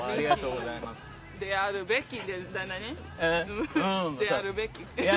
であるべき。